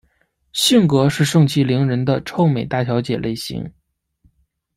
性格是盛气凌人的臭美大小姐类型。